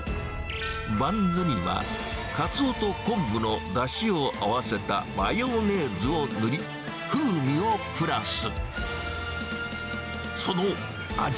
バンズには、カツオと昆布のだしを合わせたマヨネーズを塗り、風味をプラス。